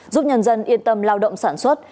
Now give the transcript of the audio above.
giúp nhân dân yên tâm lao động sản xuất